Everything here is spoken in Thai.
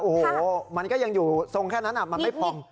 โอ้โหมันก็ยังอยู่ทรงแค่นั้นมันไม่พอง